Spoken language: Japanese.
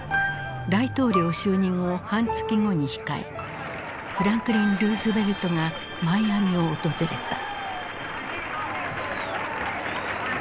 大統領就任を半月後に控えフランクリン・ルーズベルトがマイアミを訪れた。